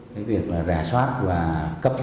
cái việc là rẻ soát và cấp